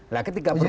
nah ketika bermasalah